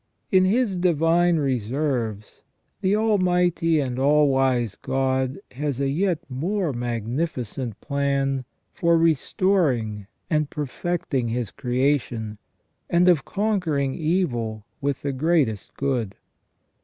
In His divine reserves, the almighty and all wise God has a yet more magnifi cent plan for restoring and perfecting His creation, and of con quering evil with the greatest good.